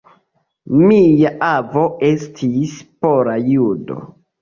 Mia avo estis pola judo.